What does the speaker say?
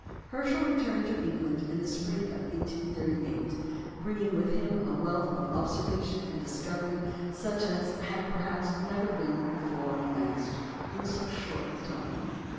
Herschel returned to England in the spring of 1838, bringing with him a wealth of observation and discovery such as had perhaps never before been amassed in so short a time.